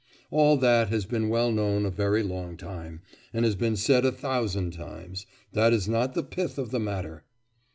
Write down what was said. All that has been well known a very long time, and has been said a thousand times. That is not the pith of the matter.